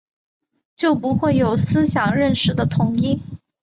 就不会有思想认识的统一